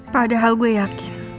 padahal gue yakin